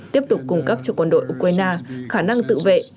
tiếp tục cung cấp cho quân đội ukraine khả năng tự vệ